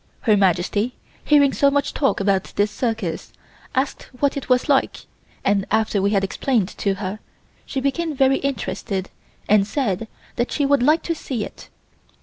Her Majesty, hearing so much talk about this circus asked what it was like, and after we had explained to her, she became very interested and said that she would like to see it.